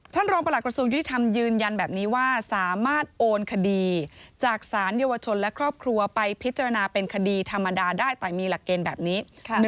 รองประหลักกระทรวงยุติธรรมยืนยันแบบนี้ว่าสามารถโอนคดีจากศาลเยาวชนและครอบครัวไปพิจารณาเป็นคดีธรรมดาได้แต่มีหลักเกณฑ์แบบนี้